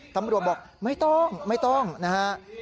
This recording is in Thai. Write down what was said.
ตำรวจบอกไม่ต้องไม่ต้องนะฮะ